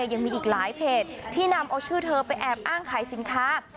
ยังมีอีกหลายเพจที่นำเอาชื่อเธอไปแอบอ้างขายสินค้า